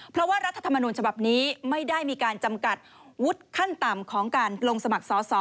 เพราะว่ารัฐธรรมนูญฉบับนี้ไม่ได้มีการจำกัดวุฒิขั้นต่ำของการลงสมัครสอสอ